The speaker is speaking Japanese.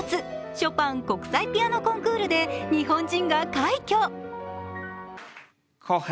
ショパン国際ピアノコンクールで日本人が快挙。